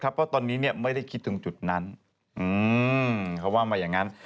เพราะตอนนี้ไม่ได้คิดถึงจุดนั้นเขาว่ามาอย่างนั้น